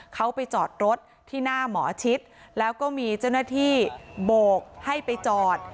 เขาไปจอดรถที่หน้าหมอชิดแล้วก็มีเจ้าหน้าที่โบกให้ไปจอด